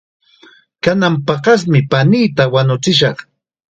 Kanan paqasmi paniita watukashaq.